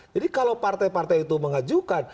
jadi kalau partai partai itu mengajukan